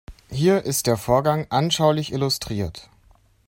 Hier ist der Vorgang anschaulich illustriert.